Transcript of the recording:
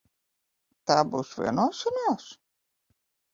Tā būs vienošanās?